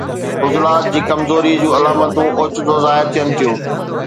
عضلات جي ڪمزوريءَ جون علامتون اوچتو ظاهر ٿين ٿيون